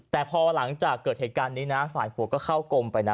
แต่พอหลังจากเกิดเหตุการณ์นี้นะฝ่ายผัวก็เข้ากรมไปนะ